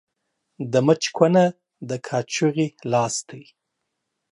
د مچ کونه ، د کاچوغي لاستى.